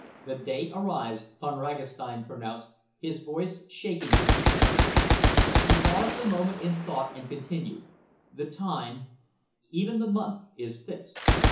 "The Day arrives," Von Ragastein pronounced, his voice shaking with deep emotion. He paused a moment in thought and continued, "the time, even the month, is fixed.